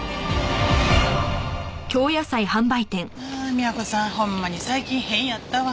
美也子さんホンマに最近変やったわ。